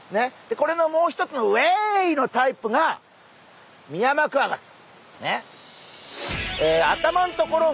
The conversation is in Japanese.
これのもう一つのウエイのタイプがミヤマクワガタ。